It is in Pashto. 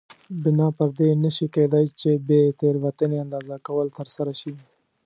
بنا پر دې نه شي کېدای چې بې تېروتنې اندازه کول ترسره شي.